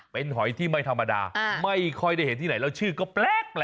เป็นหอยที่ไม่ธรรมดาไม่ค่อยได้เห็นที่ไหนแล้วชื่อก็แปลก